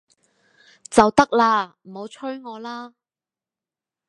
就得啦，唔好催我啦！